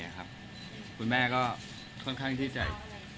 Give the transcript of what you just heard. คุณแม่ก็ค่อนข้างก็นิสัย